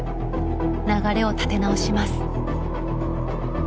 流れを立て直します。